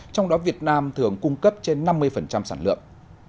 trong đó việt nam thường cung cấp trên năm mươi sản lượng